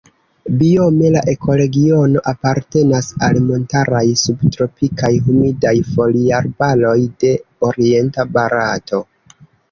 Biome la ekoregiono apartenas al montaraj subtropikaj humidaj foliarbaroj de orienta Barato.